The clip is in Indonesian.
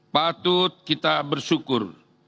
patut kita bersyukur